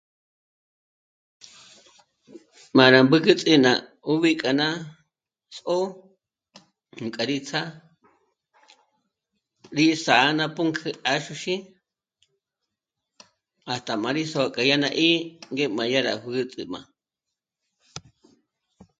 M'ârá mbǚküts'ü ná 'ùbi k'a nà'a tsö́'ö ngé k'a rí ts'á'a, rí sǎ'a ná pǔnk'ü 'àxuxí hasta m'á rí sö̌'k'ü k'a rá 'í'i ngé m'á dyà rá jä̀t'äjma